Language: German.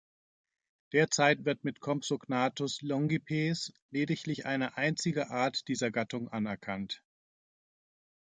Derzeit wird mit "Compsognathus longipes" lediglich eine einzige Art dieser Gattung anerkannt.